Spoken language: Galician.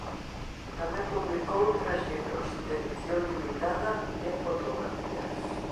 Tamén publicou tres libros de edición limitada de fotografías.